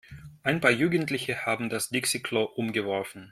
Ein paar Jugendliche haben das Dixi-Klo umgeworfen.